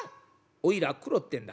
「おいらクロってんだ。